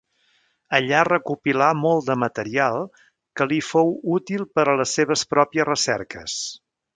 Allà recopilà molt de material que li fou útil per a les seves pròpies recerques.